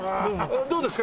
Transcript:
どうですか？